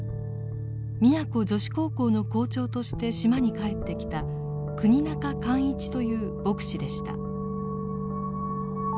宮古女子高校の校長として島に帰ってきた国仲寛一という牧師でした。